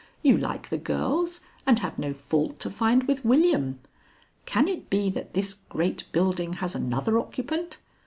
You like the girls and have no fault to find with William. Can it be that this great building has another occupant?